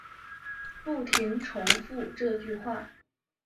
不停重复这句话